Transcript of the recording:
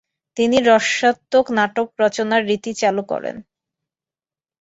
তিনি রসাত্মক নাটক রচনার রীতি চালু করেন।